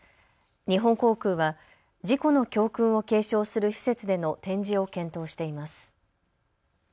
日本航空は事故の教訓を継承する施設での展示を検討しています。